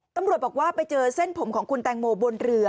ตำรวจบอกว่าไปเจอเส้นผมของคุณแตงโมบนเรือ